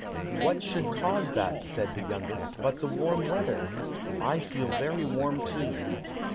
"What should cause that," said the youngest, "but the warm weather? I feel very warm too."